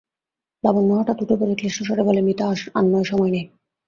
লাবণ্য হঠাৎ উঠে পড়ে ক্লিষ্টস্বরে বললে, মিতা, আর নয়, সময় নেই।